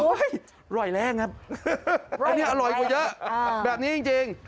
อร่อยแรงครับอันนี้อร่อยกว่าเยอะแบบนี้จริง